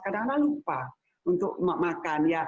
kadang kadang lupa untuk makan ya